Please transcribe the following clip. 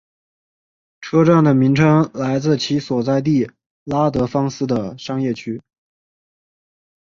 车站的名称来自其所在地拉德芳斯商业区。